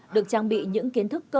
được trang bị những kiến thức cơ